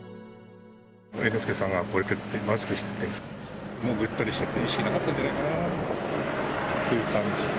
猿之助さんがこうやってマスクしてて、もうぐったりしてて、意識なかったんじゃないかなっていう感じ。